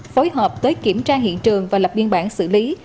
phối hợp tới kiểm tra hiện trường và lập biên bản xử lý